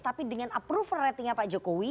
tapi dengan approval ratingnya pak jokowi